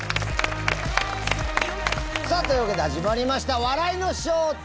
さあというわけで始まりました「笑いの正体」